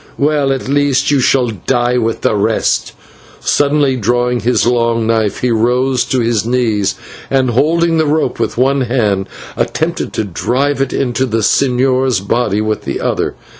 Well, at least you shall die with the rest," and, suddenly drawing his long knife, he rose to his knees, and, holding the rope with one hand, attempted to drive it into the señor's body with the other.